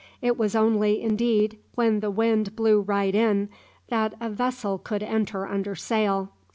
It was only, indeed, when the wind blew right in, that a vessel could enter under sail.